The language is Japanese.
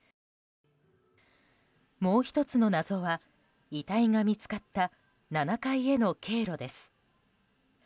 もう１つの謎は遺体が見つかった７階への経路です。